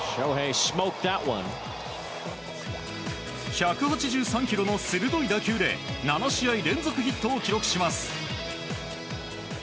１８３キロの鋭い打球で７試合連続ヒットを記録します。